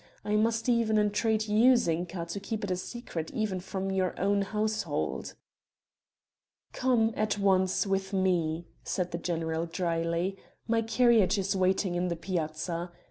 I must even entreat you, Zinka, to keep it a secret even from your own household." "Come, at once, with me," said the general drily, "my carriage is waiting in the Piazza.